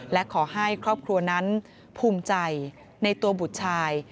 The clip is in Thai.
และขอให้ครอบครัวนั้นภูมิใจในตัวบุตรชาย